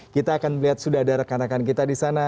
kita akan melihat sudah ada rekan rekan kita di sana